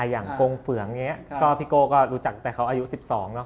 อย่างกงเฝืองอย่างนี้ก็พี่โก้ก็รู้จักแต่เขาอายุ๑๒เนอะ